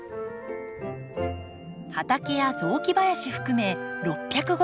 畑や雑木林含め６５０坪。